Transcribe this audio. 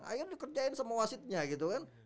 akhirnya di kerjain semua wasitnya gitu kan